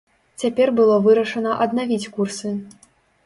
Цяпер было вырашана аднавіць курсы.